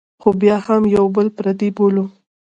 خو بیا هم یو بل پردي بولو.